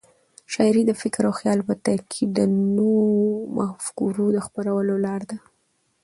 شاعري د فکر او خیال په ترکیب د نوو مفکورو د خپرولو لار ده.